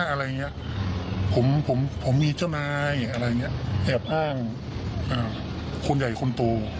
อะไรอย่างเงี้ยผมผมมีเจ้านายอะไรอย่างเงี้ยแอบอ้างคนใหญ่คนโต